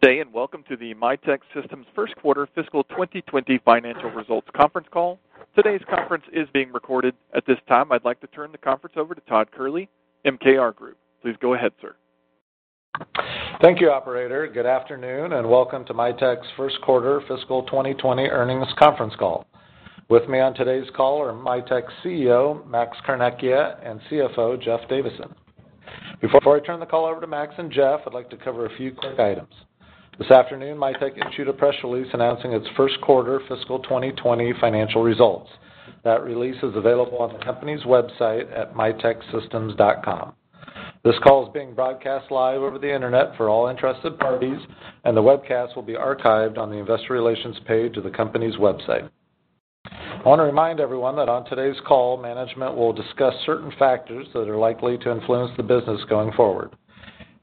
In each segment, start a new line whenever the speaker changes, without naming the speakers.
Good day, and welcome to the Mitek Systems first quarter fiscal 2020 financial results conference call. Today's conference is being recorded. At this time, I'd like to turn the conference over to Todd Kehrli, MKR Group. Please go ahead, sir.
Thank you, operator. Good afternoon, and welcome to Mitek's first quarter fiscal 2020 earnings conference call. With me on today's call are Mitek's CEO, Max Carnecchia, and CFO, Jeff Davison. Before I turn the call over to Max and Jeff, I'd like to cover a few quick items. This afternoon, Mitek issued a press release announcing its first quarter fiscal 2020 financial results. That release is available on the company's website at miteksystems.com. This call is being broadcast live over the internet for all interested parties, and the webcast will be archived on the investor relations page of the company's website. I want to remind everyone that on today's call, management will discuss certain factors that are likely to influence the business going forward.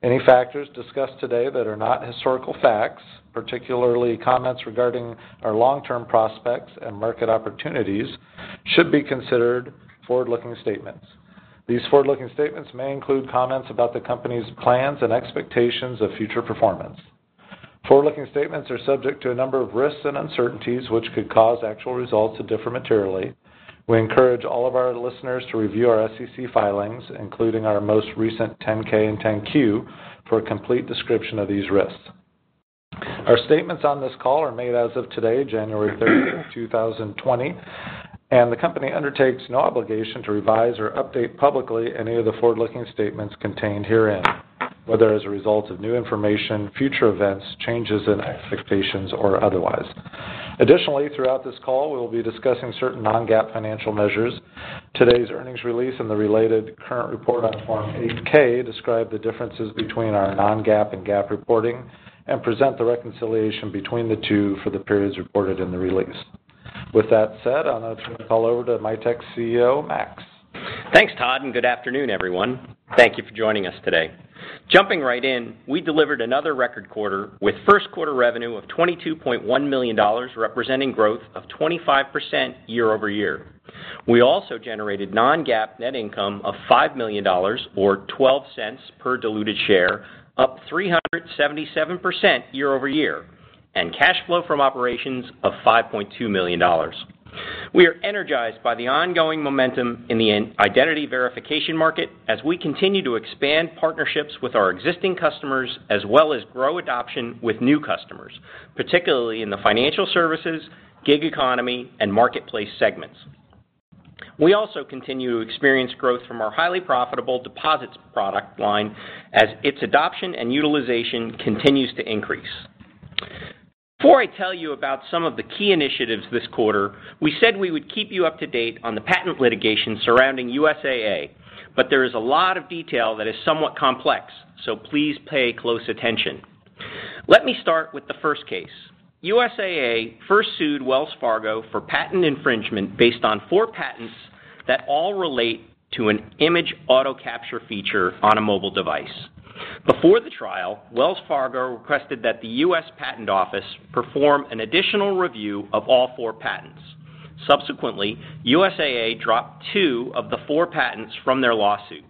Any factors discussed today that are not historical facts, particularly comments regarding our long-term prospects and market opportunities, should be considered forward-looking statements. These forward-looking statements may include comments about the company's plans and expectations of future performance. Forward-looking statements are subject to a number of risks and uncertainties, which could cause actual results to differ materially. We encourage all of our listeners to review our SEC filings, including our most recent 10-K and 10-Q, for a complete description of these risks. Our statements on this call are made as of today, January 30th, 2020, and the company undertakes no obligation to revise or update publicly any of the forward-looking statements contained herein, whether as a result of new information, future events, changes in expectations, or otherwise. Additionally, throughout this call, we will be discussing certain non-GAAP financial measures. Today's earnings release and the related current report on Form 8-K describe the differences between our non-GAAP and GAAP reporting and present the reconciliation between the two for the periods reported in the release. With that said, I'll now turn the call over to Mitek's CEO, Max.
Thanks, Todd. Good afternoon, everyone. Thank you for joining us today. Jumping right in, we delivered another record quarter with first quarter revenue of $22.1 million, representing growth of 25% year-over-year. We also generated non-GAAP net income of $5 million, or $0.12 per diluted share, up 377% year-over-year, and cash flow from operations of $5.2 million. We are energized by the ongoing momentum in the identity verification market as we continue to expand partnerships with our existing customers, as well as grow adoption with new customers, particularly in the financial services, gig economy, and marketplace segments. We also continue to experience growth from our highly profitable deposits product line as its adoption and utilization continues to increase. Before I tell you about some of the key initiatives this quarter, we said we would keep you up to date on the patent litigation surrounding USAA, but there is a lot of detail that is somewhat complex, so please pay close attention. Let me start with the first case. USAA first sued Wells Fargo for patent infringement based on four patents that all relate to an image auto capture feature on a mobile device. Before the trial, Wells Fargo requested that the U.S. Patent Office perform an additional review of all four patents. Subsequently, USAA dropped two of the four patents from their lawsuit.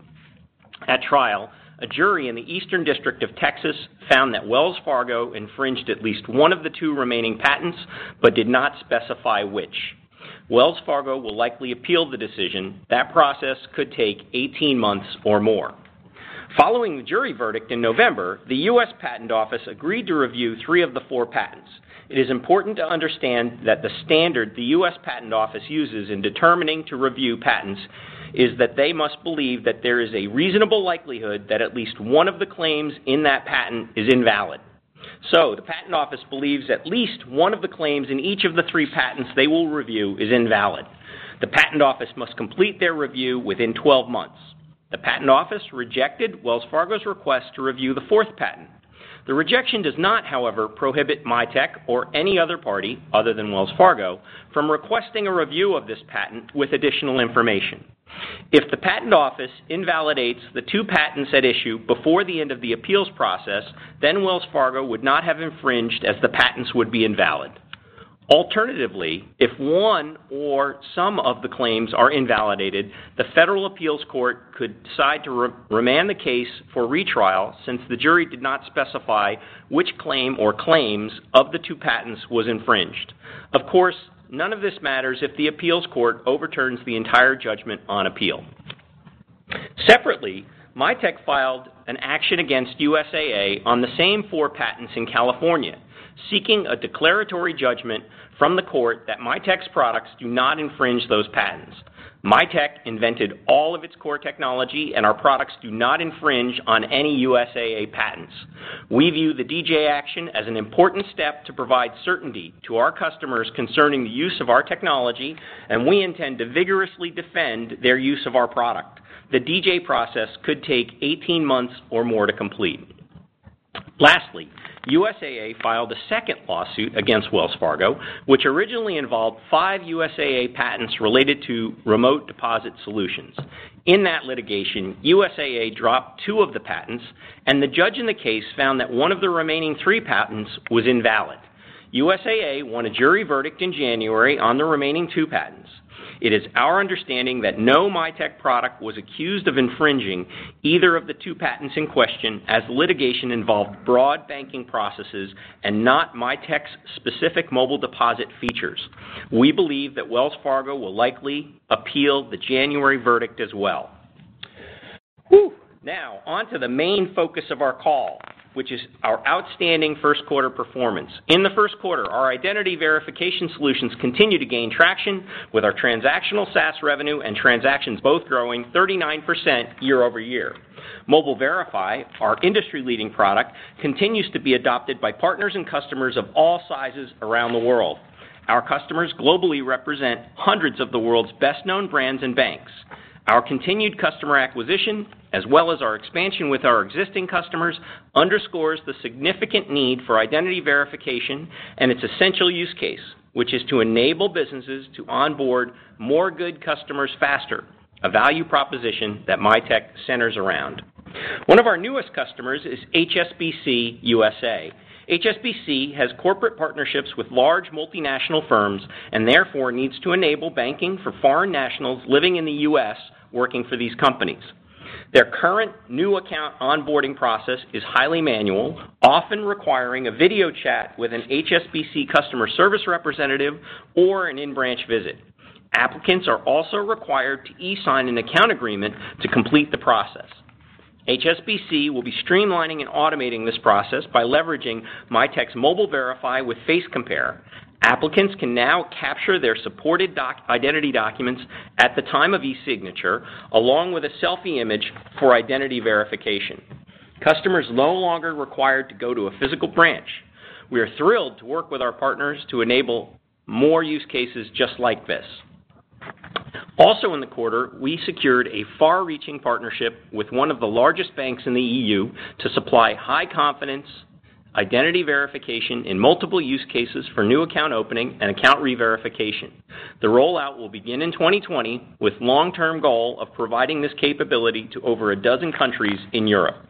At trial, a jury in the Eastern District of Texas found that Wells Fargo infringed at least one of the two remaining patents but did not specify which. Wells Fargo will likely appeal the decision. That process could take 18 months or more. Following the jury verdict in November, the U.S. Patent Office agreed to review three of the four patents. It is important to understand that the standard the U.S. Patent Office uses in determining to review patents is that they must believe that there is a reasonable likelihood that at least one of the claims in that patent is invalid. The Patent Office believes at least one of the claims in each of the three patents they will review is invalid. The Patent Office must complete their review within 12 months. The Patent Office rejected Wells Fargo's request to review the fourth patent. The rejection does not, however, prohibit Mitek or any other party, other than Wells Fargo, from requesting a review of this patent with additional information. If the Patent Office invalidates the two patents at issue before the end of the appeals process, then Wells Fargo would not have infringed as the patents would be invalid. Alternatively, if one or some of the claims are invalidated, the federal appeals court could decide to remand the case for retrial since the jury did not specify which claim or claims of the two patents was infringed. Of course, none of this matters if the appeals court overturns the entire judgment on appeal. Separately, Mitek filed an action against USAA on the same four patents in California, seeking a declaratory judgment from the court that Mitek's products do not infringe those patents. Mitek invented all of its core technology, and our products do not infringe on any USAA patents. We view the DJ action as an important step to provide certainty to our customers concerning the use of our technology, and we intend to vigorously defend their use of our product. The DJ process could take 18 months or more to complete. Lastly, USAA filed a second lawsuit against Wells Fargo, which originally involved five USAA patents related to remote deposit solutions. In that litigation, USAA dropped two of the patents, and the judge in the case found that one of the remaining three patents was invalid. USAA won a jury verdict in January on the remaining two patents. It is our understanding that no Mitek product was accused of infringing either of the two patents in question as litigation involved broad banking processes and not Mitek's specific mobile deposit features. We believe that Wells Fargo will likely appeal the January verdict as well. Now, onto the main focus of our call, which is our outstanding first quarter performance. In the first quarter, our identity verification solutions continue to gain traction with our transactional SaaS revenue and transactions both growing 39% year-over-year. Mobile Verify, our industry-leading product, continues to be adopted by partners and customers of all sizes around the world. Our customers globally represent hundreds of the world's best-known brands and banks. Our continued customer acquisition, as well as our expansion with our existing customers, underscores the significant need for identity verification and its essential use case, which is to enable businesses to onboard more good customers faster, a value proposition that Mitek centers around. One of our newest customers is HSBC USA. HSBC has corporate partnerships with large multinational firms and therefore needs to enable banking for foreign nationals living in the U.S. working for these companies. Their current new account onboarding process is highly manual, often requiring a video chat with an HSBC customer service representative or an in-branch visit. Applicants are also required to e-sign an account agreement to complete the process. HSBC will be streamlining and automating this process by leveraging Mitek's Mobile Verify with face compare. Applicants can now capture their supported identity documents at the time of e-signature, along with a selfie image for identity verification. Customers no longer required to go to a physical branch. We are thrilled to work with our partners to enable more use cases just like this. In the quarter, we secured a far-reaching partnership with one of the largest banks in the EU to supply high-confidence identity verification in multiple use cases for new account opening and account reverification. The rollout will begin in 2020 with long-term goal of providing this capability to over a dozen countries in Europe.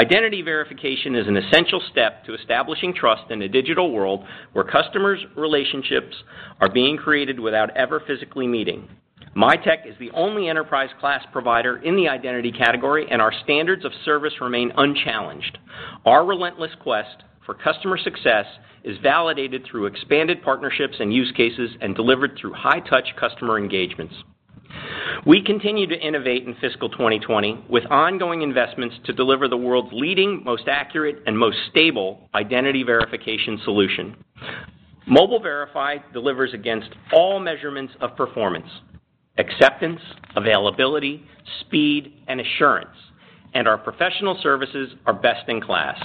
Identity verification is an essential step to establishing trust in a digital world where customers' relationships are being created without ever physically meeting. Mitek is the only enterprise-class provider in the identity category, and our standards of service remain unchallenged. Our relentless quest for customer success is validated through expanded partnerships and use cases and delivered through high-touch customer engagements. We continue to innovate in fiscal 2020 with ongoing investments to deliver the world's leading, most accurate and most stable identity verification solution. Mobile Verify delivers against all measurements of performance, acceptance, availability, speed, and assurance, and our professional services are best in class.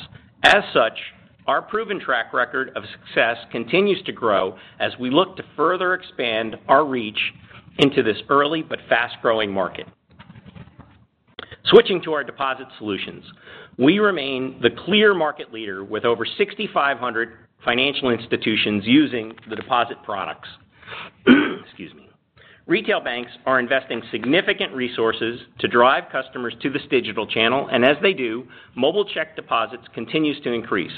As such, our proven track record of success continues to grow as we look to further expand our reach into this early but fast-growing market. Switching to our deposit solutions. We remain the clear market leader with over 6,500 financial institutions using the deposit products. Excuse me. Retail banks are investing significant resources to drive customers to this digital channel, and as they do, mobile check deposit continues to increase.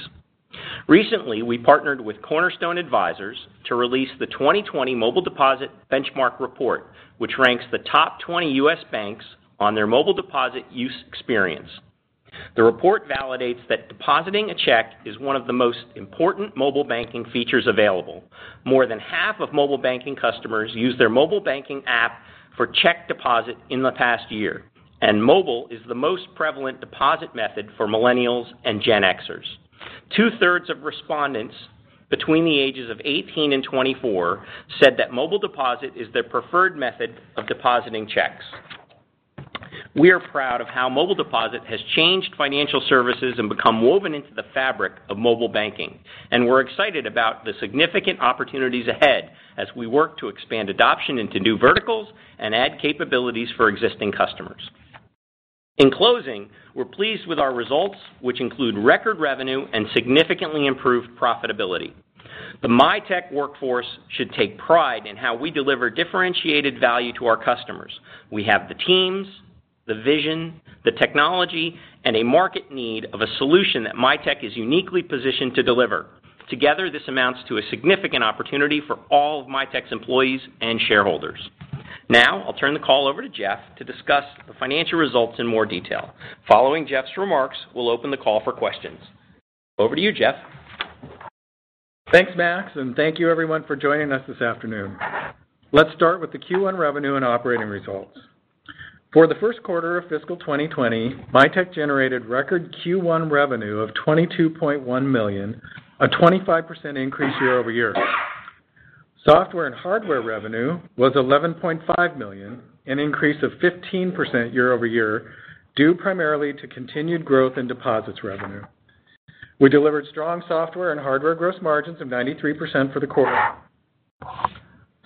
Recently, we partnered with Cornerstone Advisors to release the 2020 Mobile Deposit Benchmark Report, which ranks the top 20 U.S. banks on their mobile Deposit use experience. The report validates that depositing a check is one of the most important mobile banking features available. More than half of mobile banking customers use their mobile banking app for check deposit in the past year, and mobile is the most prevalent deposit method for millennials and Gen Xers. Two-thirds of respondents between the ages of 18 and 24 said that mobile deposit is their preferred method of depositing checks. We are proud of how mobile deposit has changed financial services and become woven into the fabric of mobile banking. We're excited about the significant opportunities ahead as we work to expand adoption into new verticals and add capabilities for existing customers. In closing, we're pleased with our results, which include record revenue and significantly improved profitability. The Mitek workforce should take pride in how we deliver differentiated value to our customers. We have the teams, the vision, the technology, and a market need of a solution that Mitek is uniquely positioned to deliver. Together, this amounts to a significant opportunity for all of Mitek's employees and shareholders. Now, I'll turn the call over to Jeff to discuss the financial results in more detail. Following Jeff's remarks, we'll open the call for questions. Over to you, Jeff.
Thanks, Max. Thank you everyone for joining us this afternoon. Let's start with the Q1 revenue and operating results. For the first quarter of fiscal 2020, Mitek generated record Q1 revenue of $22.1 million, a 25% increase year-over-year. Software and hardware revenue was $11.5 million, an increase of 15% year-over-year, due primarily to continued growth in deposits revenue. We delivered strong software and hardware gross margins of 93% for the quarter.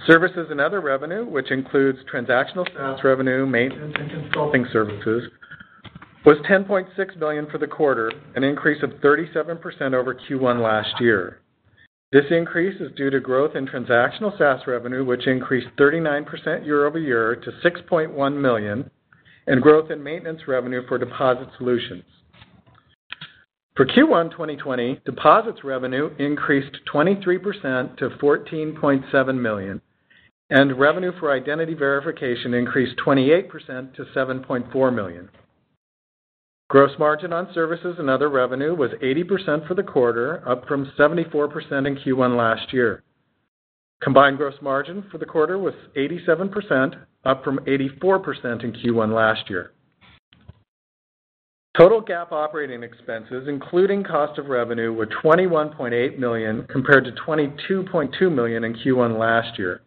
Services and other revenue, which includes transactional SaaS revenue, maintenance and consulting services, was $10.6 million for the quarter, an increase of 37% over Q1 last year. This increase is due to growth in transactional SaaS revenue, which increased 39% year-over-year to $6.1 million, and growth in maintenance revenue for deposit solutions. For Q1 2020, deposits revenue increased 23% to $14.7 million, and revenue for identity verification increased 28% to $7.4 million. Gross margin on services and other revenue was 80% for the quarter, up from 74% in Q1 last year. Combined gross margin for the quarter was 87%, up from 84% in Q1 last year. Total GAAP operating expenses, including cost of revenue, were $21.8 million compared to $22.2 million in Q1 last year.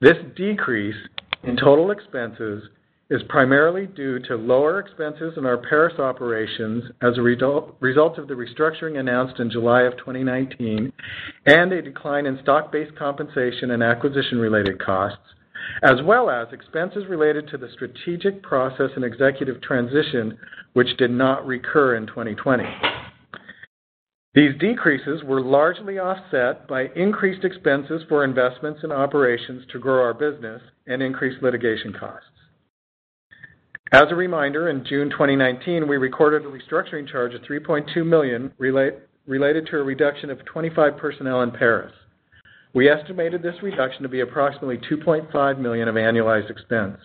This decrease in total expenses is primarily due to lower expenses in our Paris operations as a result of the restructuring announced in July of 2019, and a decline in stock-based compensation and acquisition related costs, as well as expenses related to the strategic process and executive transition, which did not recur in 2020. These decreases were largely offset by increased expenses for investments in operations to grow our business and increase litigation costs. As a reminder, in June 2019, we recorded a restructuring charge of $3.2 million related to a reduction of 25 personnel in Paris. We estimated this reduction to be approximately $2.5 million of annualized expense.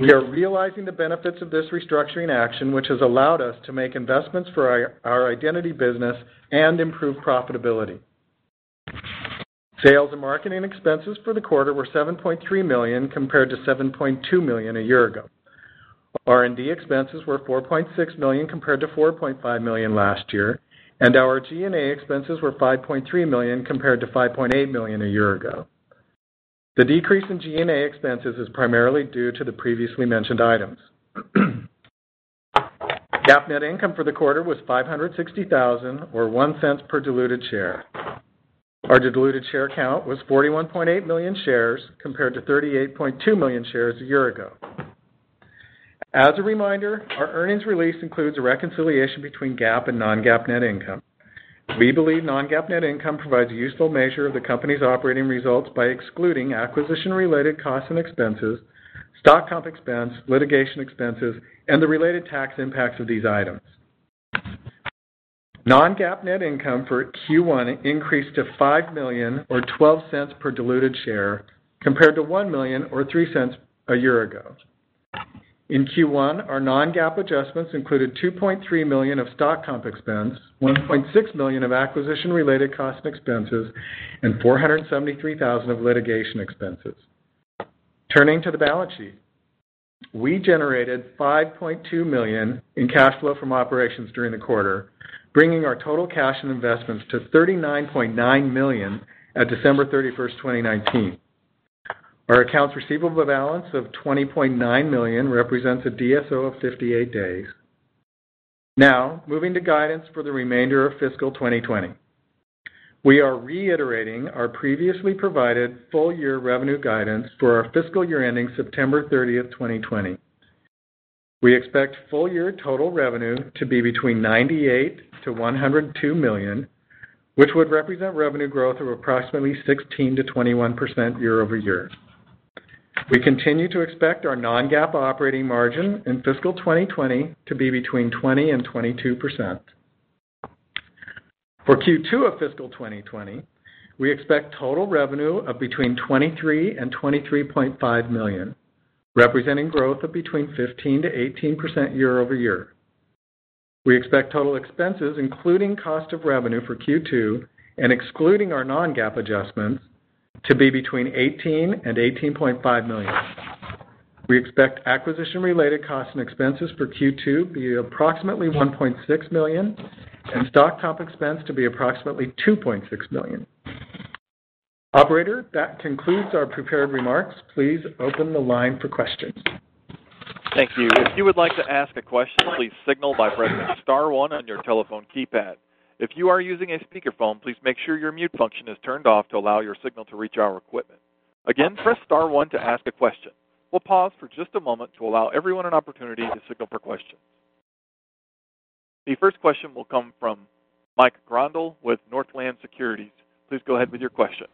We are realizing the benefits of this restructuring action, which has allowed us to make investments for our identity business and improve profitability. Sales and marketing expenses for the quarter were $7.3 million compared to $7.2 million a year ago. R&D expenses were $4.6 million compared to $4.5 million last year. Our G&A expenses were $5.3 million compared to $5.8 million a year ago. The decrease in G&A expenses is primarily due to the previously mentioned items. GAAP net income for the quarter was $560,000 or $0.01 per diluted share. Our diluted share count was 41.8 million shares compared to 38.2 million shares a year ago. As a reminder, our earnings release includes a reconciliation between GAAP and non-GAAP net income. We believe non-GAAP net income provides a useful measure of the company's operating results by excluding acquisition related costs and expenses, stock comp expense, litigation expenses, and the related tax impacts of these items. Non-GAAP net income for Q1 increased to $5 million or $0.12 per diluted share compared to $1 million or $0.03 a year ago. In Q1, our non-GAAP adjustments included $2.3 million of stock comp expense, $1.6 million of acquisition related cost and expenses, and $473,000 of litigation expenses. Turning to the balance sheet. We generated $5.2 million in cash flow from operations during the quarter, bringing our total cash and investments to $39.9 million at December 31st, 2019. Our accounts receivable balance of $20.9 million represents a DSO of 58 days. Moving to guidance for the remainder of fiscal 2020. We are reiterating our previously provided full-year revenue guidance for our fiscal year ending September 30th, 2020. We expect full year total revenue to be between $98 million-$102 million, which would represent revenue growth of approximately 16%-21% year-over-year. We continue to expect our non-GAAP operating margin in fiscal 2020 to be between 20% and 22%. For Q2 of fiscal 2020, we expect total revenue of between $23 million and $23.5 million, representing growth of between 15%-18% year-over-year. We expect total expenses, including cost of revenue for Q2 and excluding our non-GAAP adjustments, to be between $18 million and $18.5 million. We expect acquisition related costs and expenses for Q2 to be approximately $1.6 million and stock comp expense to be approximately $2.6 million. Operator, that concludes our prepared remarks. Please open the line for questions.
Thank you. If you would like to ask a question, please signal by pressing star one on your telephone keypad. If you are using a speakerphone, please make sure your mute function is turned off to allow your signal to reach our equipment. Again, press star one to ask a question. We'll pause for just a moment to allow everyone an opportunity to signal for questions. The first question will come from Mike Grondahl with Northland Securities. Please go ahead with your question.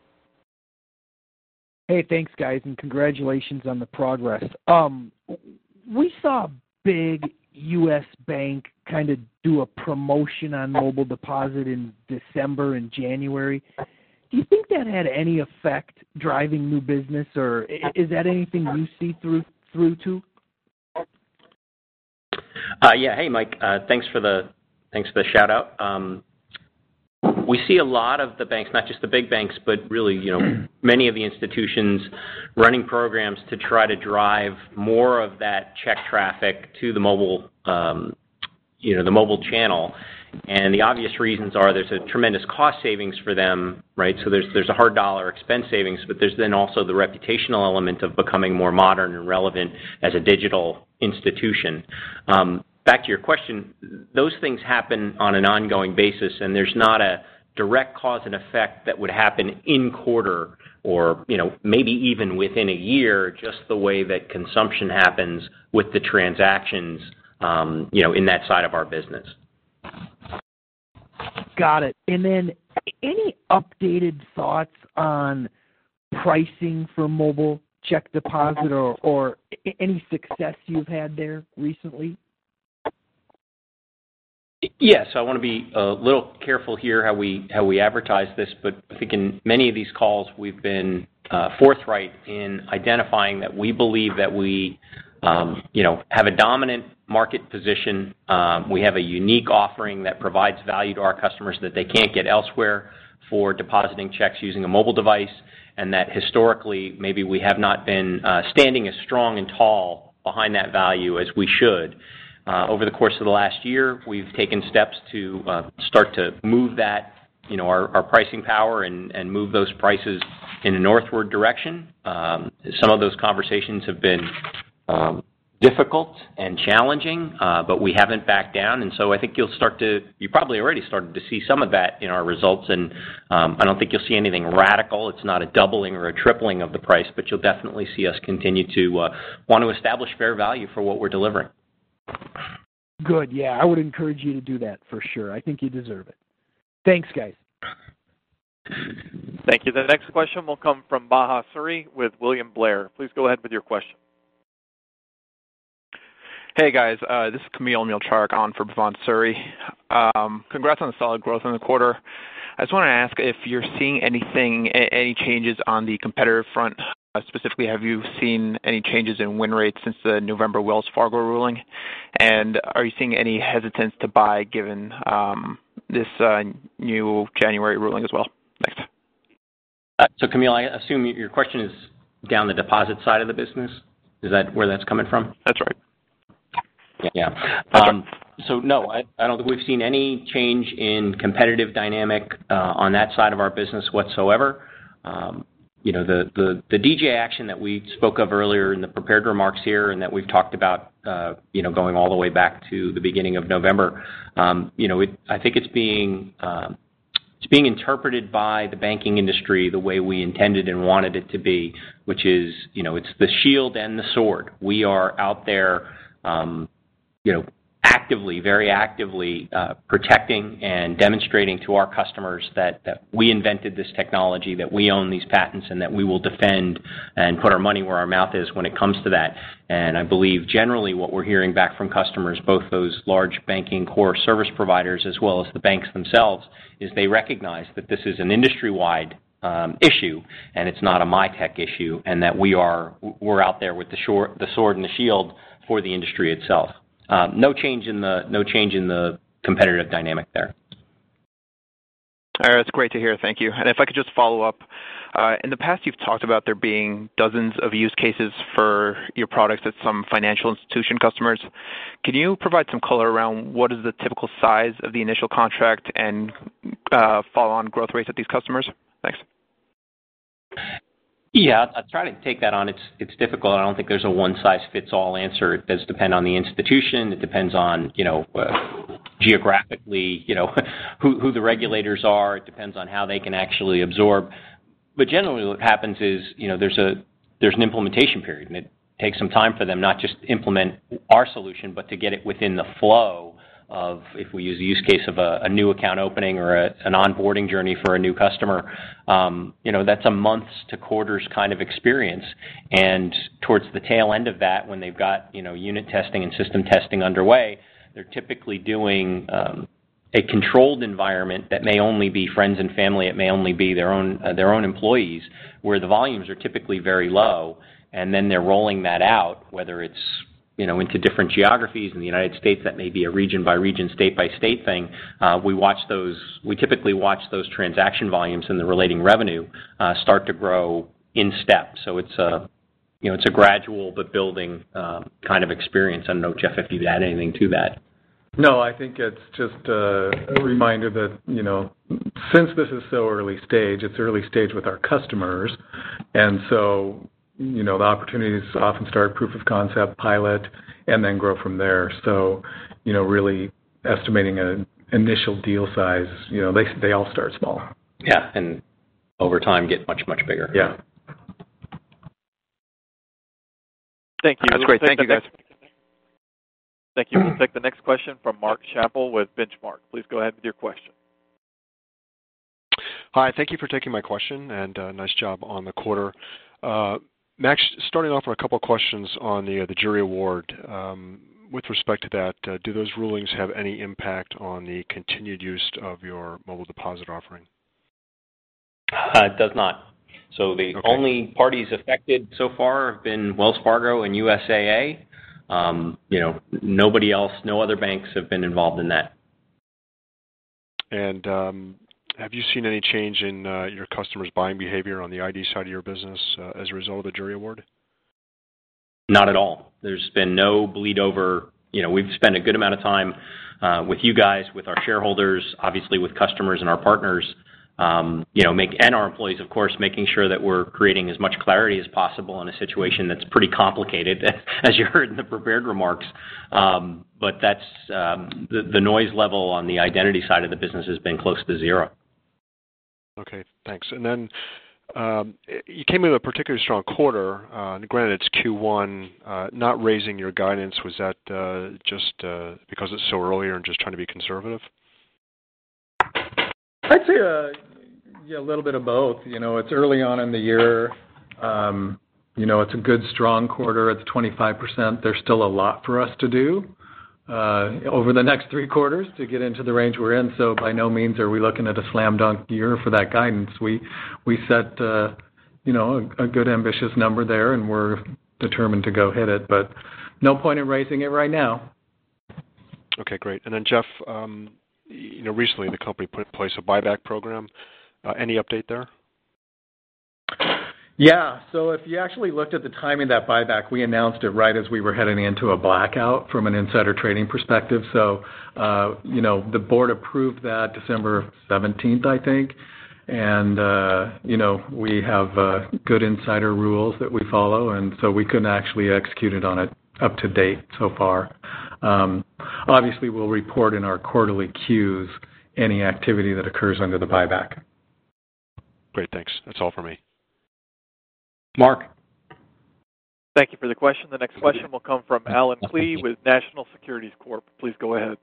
Hey, thanks guys, and congratulations on the progress. We saw a big U.S. bank kind of do a promotion on mobile deposit in December and January. Do you think that had any effect driving new business, or is that anything you see through to?
Yeah. Hey, Mike. Thanks for the shout-out. We see a lot of the banks, not just the big banks, but really many of the institutions running programs to try to drive more of that check traffic to the mobile channel. The obvious reasons are there's a tremendous cost savings for them, right? There's a hard dollar expense savings, but there's then also the reputational element of becoming more modern and relevant as a digital institution. Back to your question, those things happen on an ongoing basis, and there's not a direct cause and effect that would happen in quarter or maybe even within a year, just the way that consumption happens with the transactions in that side of our business.
Got it. Any updated thoughts on pricing for mobile check deposit or any success you've had there recently?
Yes. I want to be a little careful here how we advertise this. I think in many of these calls, we've been forthright in identifying that we believe that we have a dominant market position. We have a unique offering that provides value to our customers that they can't get elsewhere for depositing checks using a mobile device, and that historically, maybe we have not been standing as strong and tall behind that value as we should. Over the course of the last year, we've taken steps to start to move our pricing power and move those prices in a northward direction. Some of those conversations have been difficult and challenging. We haven't backed down. You probably already started to see some of that in our results. I don't think you'll see anything radical. It's not a doubling or a tripling of the price, but you'll definitely see us continue to want to establish fair value for what we're delivering.
Good. Yeah, I would encourage you to do that for sure. I think you deserve it. Thanks, guys.
Thank you. The next question will come from Bhavan Suri with William Blair. Please go ahead with your question.
Hey, guys. This is Kamil Mielczarek on for Bhavan Suri. Congrats on the solid growth in the quarter. I just want to ask if you're seeing any changes on the competitor front. Specifically, have you seen any changes in win rates since the November Wells Fargo ruling? Are you seeing any hesitance to buy given this new January ruling as well? Thanks.
Kamil, I assume your question is down the deposit side of the business. Is that where that's coming from?
That's right.
Yeah. Okay. No, I don't think we've seen any change in competitive dynamic on that side of our business whatsoever. The DJ action that we spoke of earlier in the prepared remarks here and that we've talked about going all the way back to the beginning of November. I think it's being interpreted by the banking industry the way we intended and wanted it to be, which is it's the shield and the sword. We are out there actively, very actively protecting and demonstrating to our customers that we invented this technology, that we own these patents, and that we will defend and put our money where our mouth is when it comes to that. I believe generally what we're hearing back from customers, both those large banking core service providers as well as the banks themselves, is they recognize that this is an industry-wide issue and it's not a Mitek issue, and that we're out there with the sword and the shield for the industry itself. No change in the competitive dynamic there.
All right. That's great to hear. Thank you. If I could just follow up. In the past, you've talked about there being dozens of use cases for your products at some financial institution customers. Can you provide some color around what is the typical size of the initial contract and follow on growth rates of these customers? Thanks.
Yeah. I'll try to take that on. It's difficult. I don't think there's a one-size-fits-all answer. It does depend on the institution. It depends on geographically who the regulators are. It depends on how they can actually absorb. Generally what happens is there's an implementation period, and it takes some time for them not just to implement our solution but to get it within the flow of, if we use a use case of a new account opening or an onboarding journey for a new customer. That's a months to quarters kind of experience. Towards the tail end of that, when they've got unit testing and system testing underway, they're typically doing a controlled environment that may only be friends and family, it may only be their own employees, where the volumes are typically very low. Then they're rolling that out, whether it's into different geographies in the U.S., that may be a region by region, state by state thing. We typically watch those transaction volumes and the relating revenue start to grow in steps. It's a gradual but building kind of experience. I don't know, Jeff, if you'd add anything to that.
No, I think it's just a reminder that since this is so early stage, it's early stage with our customers. The opportunities often start proof of concept pilot and then grow from there. Really estimating an initial deal size, they all start small.
Yeah, over time get much, much bigger.
Yeah.
Thank you. That's great. Thank you, guys.
Thank you. We'll take the next question from Mark Schappel with Benchmark. Please go ahead with your question.
Hi. Thank you for taking my question, nice job on the quarter. Max, starting off with a couple questions on the jury award. With respect to that, do those rulings have any impact on the continued use of your mobile deposit offering?
It does not.
Okay.
The only parties affected so far have been Wells Fargo and USAA. Nobody else, no other banks have been involved in that.
Have you seen any change in your customers' buying behavior on the ID side of your business as a result of the jury award?
Not at all. There's been no bleed over. We've spent a good amount of time with you guys, with our shareholders, obviously with customers and our partners, and our employees of course, making sure that we're creating as much clarity as possible in a situation that's pretty complicated as you heard in the prepared remarks. The noise level on the identity side of the business has been close to zero.
Okay, thanks. You came in a particularly strong quarter, and granted it's Q1, not raising your guidance, was that just because it's so early and just trying to be conservative?
I'd say a little bit of both. It's early on in the year. It's a good, strong quarter at 25%. There's still a lot for us to do over the next three quarters to get into the range we're in. By no means are we looking at a slam dunk year for that guidance. We set a good ambitious number there, and we're determined to go hit it, but no point in raising it right now.
Okay, great. Jeff, recently the company put in place a buyback program. Any update there?
If you actually looked at the timing of that buyback, we announced it right as we were heading into a blackout from an insider trading perspective. The board approved that December 17th, I think. We have good insider rules that we follow, and so we couldn't actually execute it on it up to date so far. We'll report in our quarterly Qs any activity that occurs under the buyback.
Great, thanks. That's all for me.
Mark?
Thank you for the question. The next question will come from Allen Klee with National Securities Corporation. Please go ahead.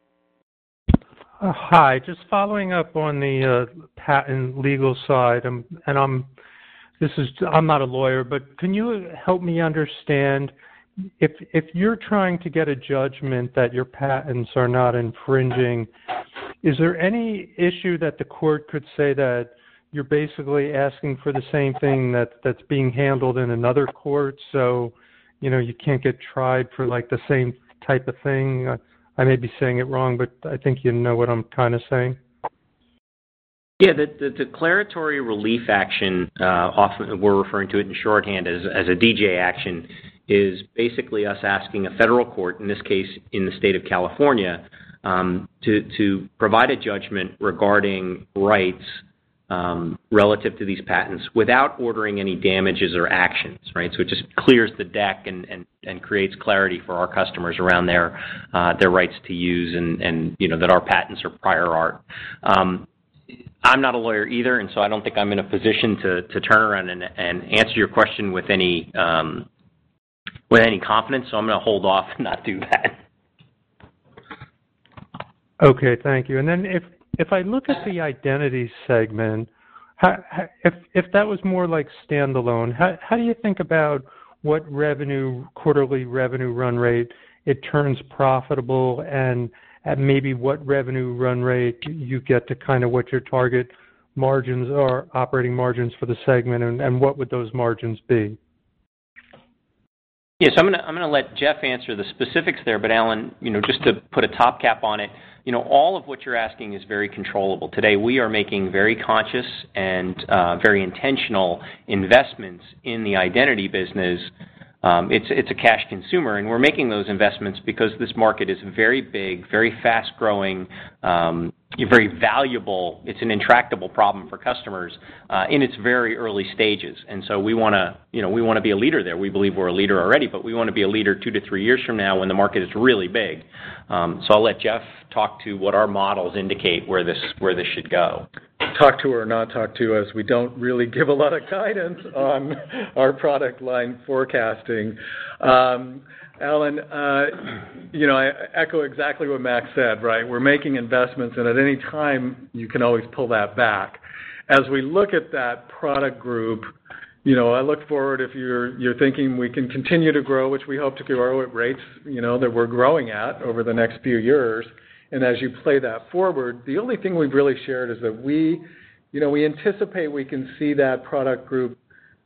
Hi, just following up on the patent legal side. I'm not a lawyer, but can you help me understand if you're trying to get a judgment that your patents are not infringing, is there any issue that the court could say that you're basically asking for the same thing that's being handled in another court, so you can't get tried for the same type of thing? I may be saying it wrong, but I think you know what I'm trying to say.
Yeah, the declaratory relief action, we're referring to it in shorthand as a DJ action, is basically us asking a federal court, in this case, in the state of California, to provide a judgment regarding rights relative to these patents without ordering any damages or actions. It just clears the deck and creates clarity for our customers around their rights to use and that our patents are prior art. I'm not a lawyer either, I don't think I'm in a position to turn around and answer your question with any confidence, I'm going to hold off and not do that.
Okay, thank you. If I look at the Identity segment, if that was more standalone, how do you think about what quarterly revenue run rate it turns profitable and at maybe what revenue run rate you get to what your target margins are, operating margins for the segment, and what would those margins be?
Yes, I'm going to let Jeff answer the specifics there, but Allen, just to put a top cap on it, all of what you're asking is very controllable today. We are making very conscious and very intentional investments in the identity business. It's a cash consumer. We're making those investments because this market is very big, very fast-growing, very valuable. It's an intractable problem for customers in its very early stages. We want to be a leader there. We believe we're a leader already, but we want to be a leader two to three years from now when the market is really big. I'll let Jeff talk to what our models indicate where this should go.
Talk to or not talk to, as we don't really give a lot of guidance on our product line forecasting. Allen, I echo exactly what Max said. We're making investments. At any time you can always pull that back. As we look at that product group, I look forward if you're thinking we can continue to grow, which we hope to grow at rates that we're growing at over the next few years. As you play that forward, the only thing we've really shared is that we anticipate we can see that product group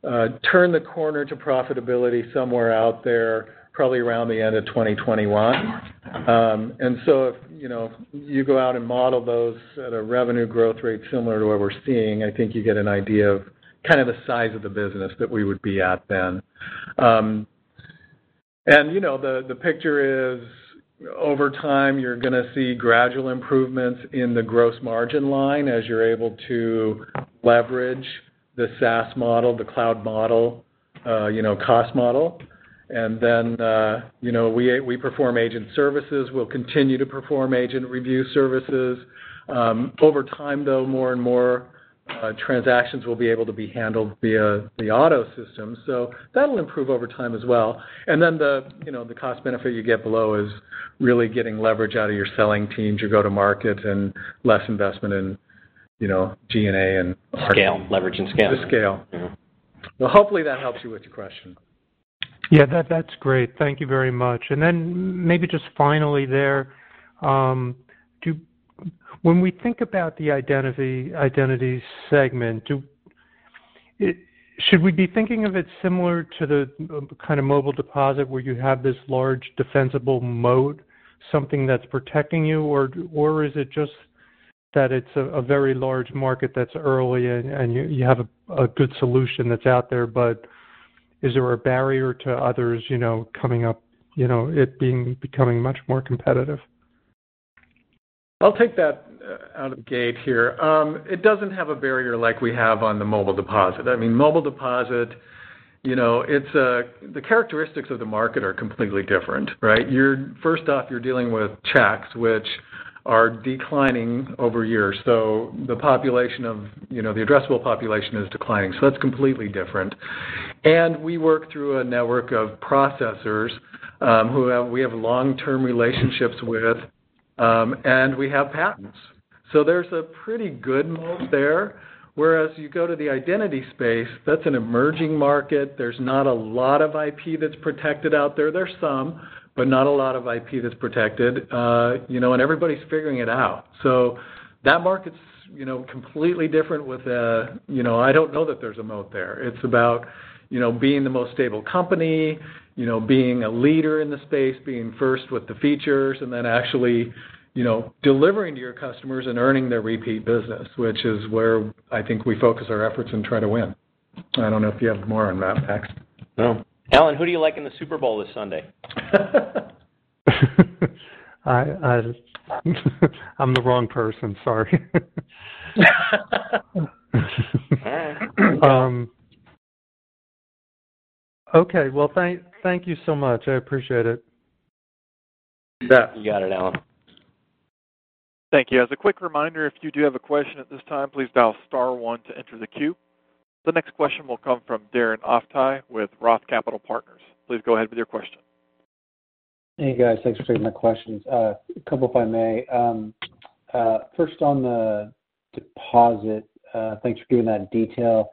turn the corner to profitability somewhere out there, probably around the end of 2021. If you go out and model those at a revenue growth rate similar to what we're seeing, I think you get an idea of the size of the business that we would be at then. The picture is over time, you're going to see gradual improvements in the gross margin line as you're able to leverage the SaaS model, the cloud model, cost model. We perform agent services. We'll continue to perform agent review services. Over time, though, more and more transactions will be able to be handled via the auto system, so that'll improve over time as well. The cost benefit you get below is really getting leverage out of your selling teams, your go-to market and less investment in G&A.
Scale, leverage and scale
The scale. Well, hopefully that helps you with your question.
Yeah, that's great. Thank you very much. Maybe just finally there, when we think about the identity segment, should we be thinking of it similar to the kind of mobile deposit where you have this large defensible moat, something that's protecting you? Is it just that it's a very large market that's early and you have a good solution that's out there, but is there a barrier to others coming up, it becoming much more competitive?
I'll take that out of the gate here. It doesn't have a barrier like we have on the mobile deposit. I mean, the characteristics of the market are completely different, right? First off, you're dealing with checks, which are declining over years. The addressable population is declining, so that's completely different. We work through a network of processors who we have long-term relationships with, and we have patents. There's a pretty good moat there. Whereas you go to the identity space, that's an emerging market. There's not a lot of IP that's protected out there. There's some, but not a lot of IP that's protected. Everybody's figuring it out. That market's completely different with I don't know that there's a moat there. It's about being the most stable company, being a leader in the space, being first with the features, and then actually delivering to your customers and earning their repeat business, which is where I think we focus our efforts and try to win. I don't know if you have more on that, Max.
No. Allen, who do you like in the Super Bowl this Sunday?
I'm the wrong person. Sorry. Okay. Well, thank you so much. I appreciate it.
Yeah. You got it, Allen.
Thank you. As a quick reminder, if you do have a question at this time, please dial star one to enter the queue. The next question will come from Darren Aftahi with Roth Capital Partners. Please go ahead with your question.
Hey, guys. Thanks for taking my questions. A couple if I may. First on the deposit, thanks for giving that detail.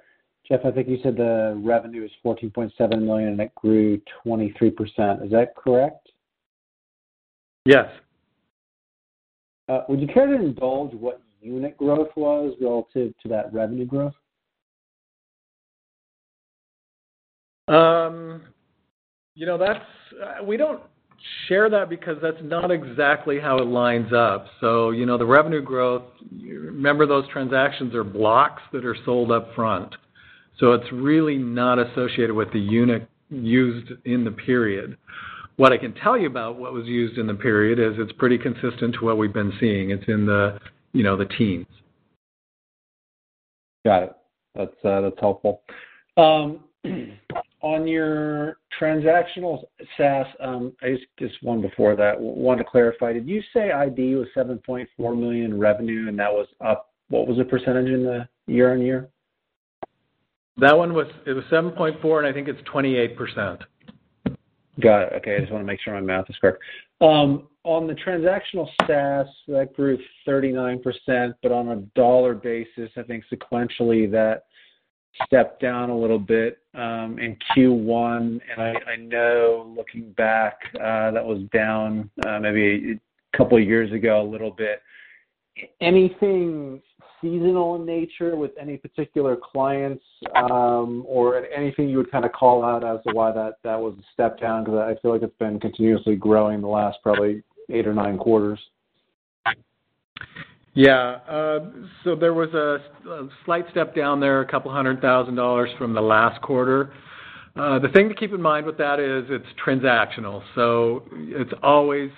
Jeff, I think you said the revenue is $14.7 million and it grew 23%. Is that correct?
Yes.
Would you care to indulge what unit growth was relative to that revenue growth?
We don't share that because that's not exactly how it lines up. The revenue growth, remember those transactions are blocks that are sold upfront. It's really not associated with the unit used in the period. What I can tell you about what was used in the period is it's pretty consistent to what we've been seeing. It's in the teens.
Got it. That's helpful. On your transactional SaaS, I guess just one before that, want to clarify, did you say ID was $7.4 million in revenue and that was up, what was the percentage in the year-over-year?
That one was, it was $7.4 million. I think it's 28%.
Got it. Okay. I just want to make sure my math is correct. On the transactional SaaS, that grew 39%, but on a dollar basis, I think sequentially that stepped down a little bit, in Q1. I know looking back, that was down maybe a couple of years ago, a little bit. Anything seasonal in nature with any particular clients, or anything you would call out as to why that was a step down to that? I feel like it's been continuously growing the last probably eight or nine quarters.
Yeah. There was a slight step down there, a couple of hundred thousand dollars from the last quarter. The thing to keep in mind with that is it's transactional, so it's always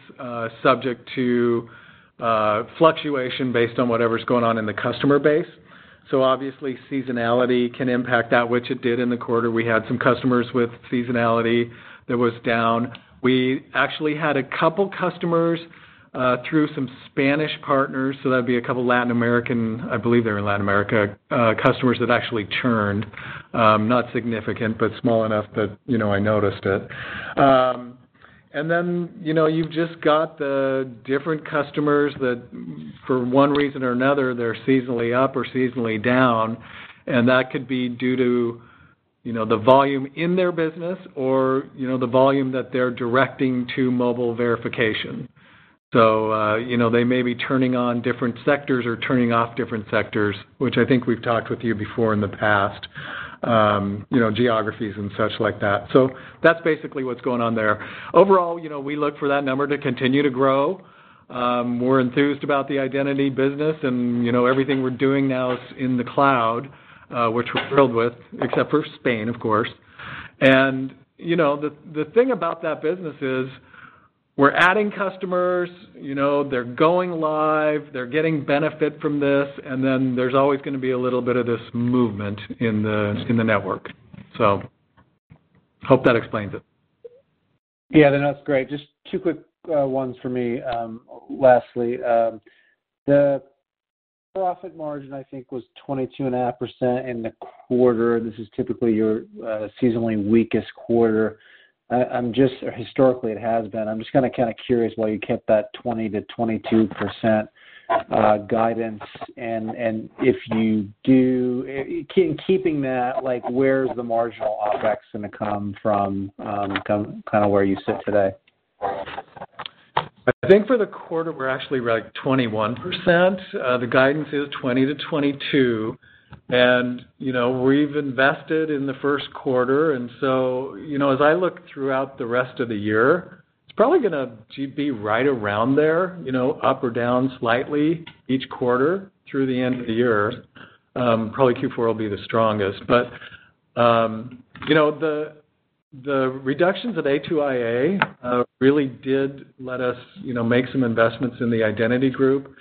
subject to fluctuation based on whatever's going on in the customer base. Obviously, seasonality can impact that which it did in the quarter. We had some customers with seasonality that was down. We actually had a couple customers, through some Spanish partners, so that'd be a couple Latin American, I believe they were Latin America, customers that actually churned, not significant, but small enough that I noticed it. You've just got the different customers that for one reason or another, they're seasonally up or seasonally down, and that could be due to the volume in their business or the volume that they're directing to mobile verification. They may be turning on different sectors or turning off different sectors, which I think we've talked with you before in the past, geographies and such like that. That's basically what's going on there. Overall, we look for that number to continue to grow. We're enthused about the identity business and everything we're doing now is in the cloud, which we're thrilled with except for Spain of course. The thing about that business is we're adding customers, they're going live, they're getting benefit from this, and then there's always going to be a little bit of this movement in the network. Hope that explains it.
Yeah. No, that's great. Just two quick ones for me. Lastly, the profit margin, I think was 22.5% in the quarter. This is typically your seasonally weakest quarter. Historically it has been. I'm just curious why you kept that 20%-22% guidance, and if you do, in keeping that, like where's the marginal OpEx going to come from, come where you sit today?
I think for the quarter we're actually like 21%. The guidance is 20%-22% and we've invested in the first quarter and so, as I look throughout the rest of the year, it's probably going to be right around there, up or down slightly each quarter through the end of the year. Probably Q4 will be the strongest. The reductions at A2iA really did let us make some investments in the identity group.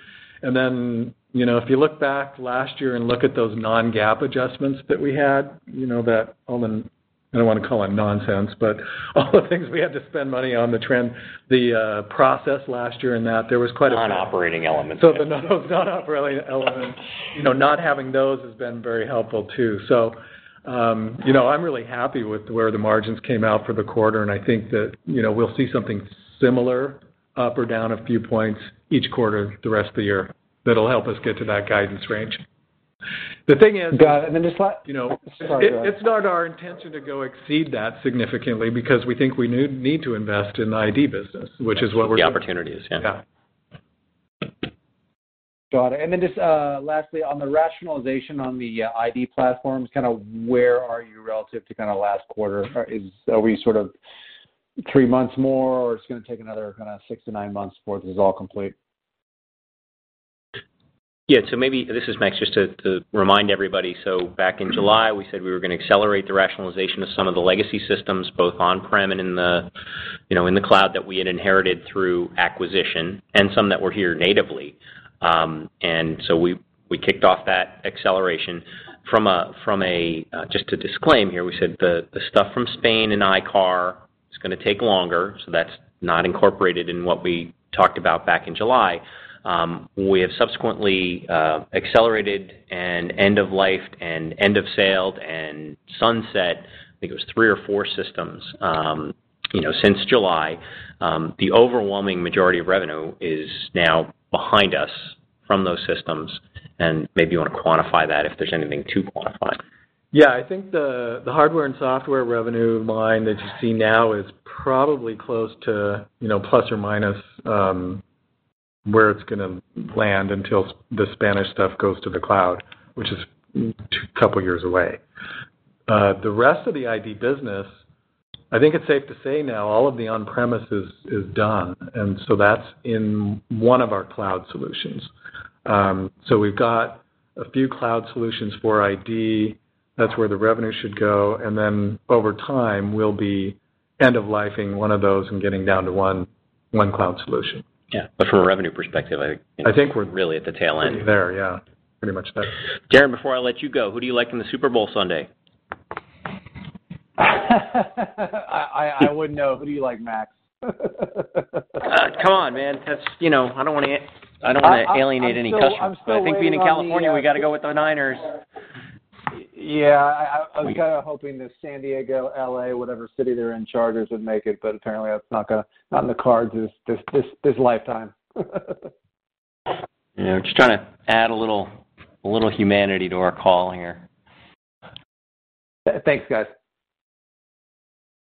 If you look back last year and look at those non-GAAP adjustments that we had, that omen, I don't want to call it nonsense, but all the things we had to spend money on.
Non-operating elements
The non-operating elements, not having those has been very helpful, too. I'm really happy with where the margins came out for the quarter, and I think that we'll see something similar, up or down a few points, each quarter the rest of the year that'll help us get to that guidance range.
Got it. Sorry, go ahead.
It's not our intention to go exceed that significantly because we think we need to invest in the ID business, which is what.
The opportunities, yeah.
Yeah.
Got it. Just lastly, on the rationalization on the ID platforms, where are you relative to last quarter? Are we three months more, or it's going to take another six to nine months before this is all complete?
Maybe, this is Max, just to remind everybody. Back in July, we said we were going to accelerate the rationalization of some of the legacy systems, both on-prem and in the cloud, that we had inherited through acquisition, and some that were here natively. We kicked off that acceleration from a, just to disclaim here, we said the stuff from Spain and ICAR is going to take longer. That's not incorporated in what we talked about back in July. We have subsequently accelerated an end of life'd, an end of sale'd, and sunset, I think it was three or four systems, since July. The overwhelming majority of revenue is now behind us from those systems. Maybe you want to quantify that, if there's anything to quantify.
I think the hardware and software revenue line that you see now is probably close to plus or minus where it's going to land until the Spanish stuff goes to the cloud, which is a couple years away. The rest of the ID business, I think it's safe to say now all of the on-premises is done, that's in one of our cloud solutions. We've got a few cloud solutions for ID. That's where the revenue should go, over time, we'll be end of life-ing one of those and getting down to one cloud solution.
Yeah. From a revenue perspective, I think we're really at the tail end.
There, yeah. Pretty much that.
Darren, before I let you go, who do you like in the Super Bowl Sunday?
I wouldn't know. Who do you like, Max?
Come on, man. I don't want to alienate any customers.
I'm still waiting on.
I think being in California, we got to go with the Niners.
Yeah, I was kind of hoping the San Diego, L.A., whatever city they're in, Chargers would make it, but apparently that's not in the cards this lifetime.
Just trying to add a little humanity to our call here.
Thanks, guys.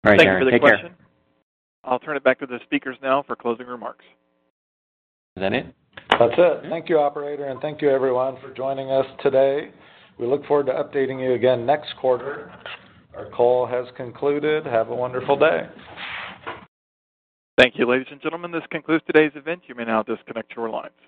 All right, Darren. Take care.
Thank you for the question. I'll turn it back to the speakers now for closing remarks.
Is that it?
That's it. Thank you, operator, and thank you everyone for joining us today. We look forward to updating you again next quarter. Our call has concluded. Have a wonderful day.
Thank you, ladies and gentlemen. This concludes today's event. You may now disconnect your line.